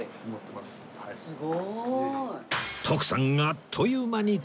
すごい！